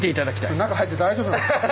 それ中入って大丈夫なんですか？